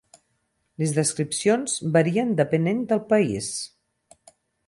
Les descripcions varien depenent del país.